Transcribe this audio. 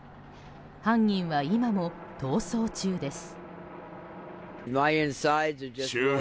犯人は今も逃走中です。